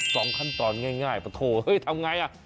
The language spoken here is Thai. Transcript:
สองขั้นตอนง่ายประโทษเห้ยทำไงอ่ะ